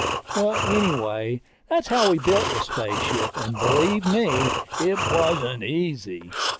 Well, anyway, that's how we built the spaceship, and believe me, it wasn't easy.